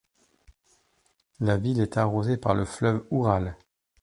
La ville est arrosée par le fleuve Oural.